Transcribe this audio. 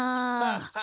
・ハハハ！